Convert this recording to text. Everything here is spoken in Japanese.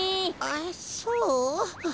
あっそう？